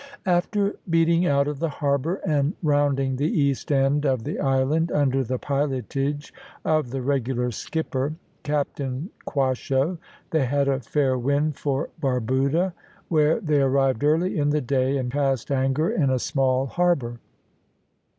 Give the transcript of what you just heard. After beating out of the harbour, and rounding the east end of the island, under the pilotage of the regular skipper, Captain Quasho, they had a fair wind for Barbuda, where they arrived early in the day, and cast anchor in a small harbour.